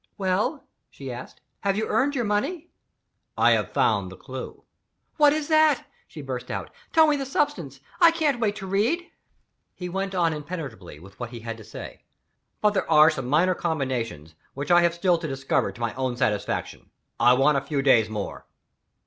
"Well?" she asked, "have you earned your money?" "I have found the clew." "What is it?" she burst out. "Tell me the substance. I can't wait to read." He went on impenetrably with what he had to say. "But there are some minor combinations, which I have still to discover to my own satisfaction. I want a few days more."